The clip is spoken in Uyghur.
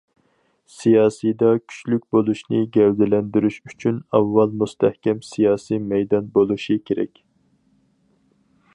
سىياسىيدا كۈچلۈك بولۇشنى گەۋدىلەندۈرۈش ئۈچۈن ئاۋۋال مۇستەھكەم سىياسىي مەيدان بولۇشى كېرەك.